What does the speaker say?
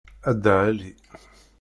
A Dda Ɛli.